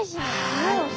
はい。